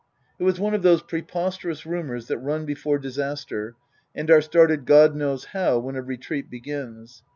It was one of those preposterous rumours that run before disaster and are started God knows how when a retreat begins.